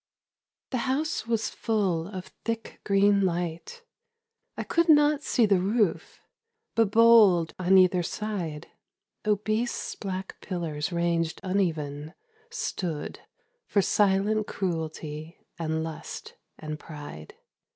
CARCERI. THE house was full of thick green light : I could Not see the roof, but bold on either side Obese black pillars 'ranged uneven, stood For silent cruelty and lust and pride.